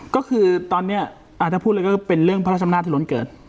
ก็คือตอนนี้ถ้าพูดเลยก็เป็นเรื่องพระราชอำนาจที่ล้นเกิด